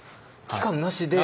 期間なしで。